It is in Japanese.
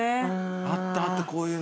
あったあったこういうの。